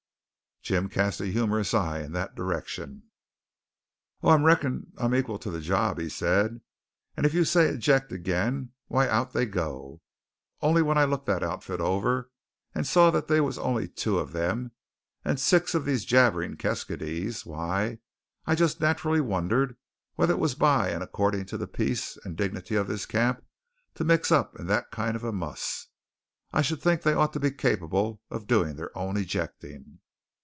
Jim cast a humorous eye in that direction. "Oh, I reckon I'm ekal to the job," said he, "and if you say 'eject' again, why out they go. Only when I looked that outfit over, and saw they was only two of them and six of these jabbering keskydees, why, I jest nat'rally wondered whether it was by and according to the peace and dignity of this camp to mix up in that kind of a muss. I should think they ought to be capable of doin' their own ejecting."